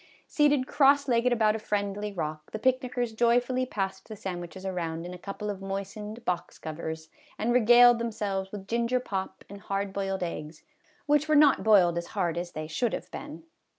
Seated cross legged about a friendly rock, the picnickers joyfully passed the sandwiches around in a couple of moistened box covers, and regaled them selves with ginger pop and hard boiled eggs, which were not boiled as hard as they should have been.